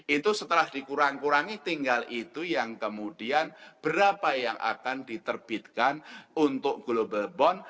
itu setelah dikurang kurangi tinggal itu yang kemudian berapa yang akan diterbitkan untuk global bond